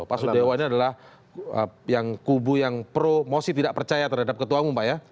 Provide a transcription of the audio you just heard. pak sudewa ini adalah yang kubu yang promosi tidak percaya terhadap ketua umum pak ya